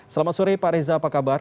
selamat sore pak reza apa kabar